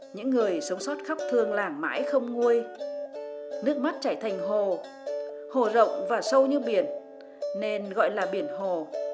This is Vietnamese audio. những người sống sót khó thương làng mãi không nguôi nước mắt chảy thành hồ rộng và sâu như biển nên gọi là biển hồ